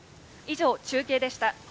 以上、中継でした。